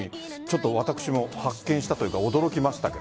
私も発見したというか驚きましたが。